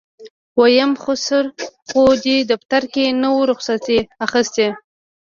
ويم خسر خو دې دفتر کې نه و رخصت يې اخېستی.